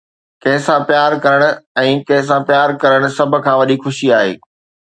ڪنهن سان پيار ڪرڻ ۽ ڪنهن سان پيار ڪرڻ سڀ کان وڏي خوشي آهي.